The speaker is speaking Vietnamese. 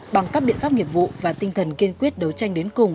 bằng các biện pháp nghiệp vụ và tinh thần kiên quyết đấu tranh đến cùng